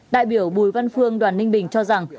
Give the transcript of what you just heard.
đại biểu bùi văn phương đoàn ninh bình cho rằng